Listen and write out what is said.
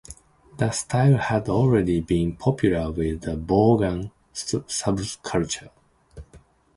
The style had already been popular with the bogan subculture.